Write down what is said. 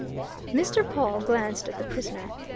Mr. Pawle glanced at the prisoner.